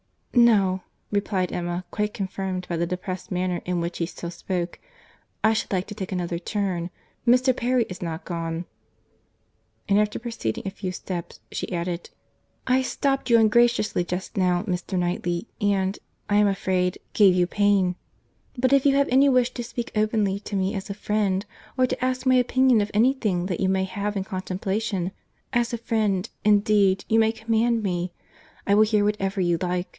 "No,"—replied Emma—quite confirmed by the depressed manner in which he still spoke—"I should like to take another turn. Mr. Perry is not gone." And, after proceeding a few steps, she added—"I stopped you ungraciously, just now, Mr. Knightley, and, I am afraid, gave you pain.—But if you have any wish to speak openly to me as a friend, or to ask my opinion of any thing that you may have in contemplation—as a friend, indeed, you may command me.—I will hear whatever you like.